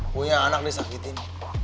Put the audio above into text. punya anak disakitin